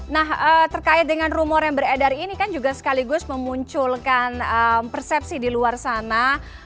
nah terkait dengan rumor yang beredar ini kan juga sekaligus memunculkan persepsi di luar sana